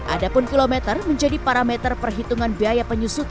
adapun kilometer menjadi parameter perhitungan biaya penyusutan